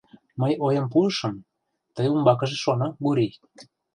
— Мый ойым пуышым, тый умбакыже шоно, Гурий.